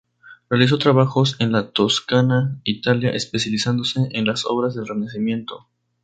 Realizó trabajos en la Toscana, Italia, especializándose en las obras del Renacimiento.